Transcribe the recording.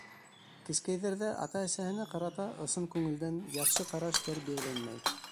Кескәйҙәрҙә ата-әсәһенә ҡарата ысын күңелдән яҡшы ҡараш тәрбиәләнмәй.